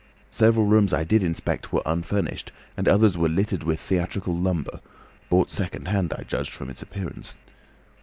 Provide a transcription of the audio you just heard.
Several rooms I did inspect were unfurnished, and others were littered with theatrical lumber, bought second hand, I judged, from its appearance.